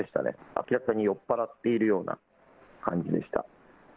明らかに酔っ払っているような感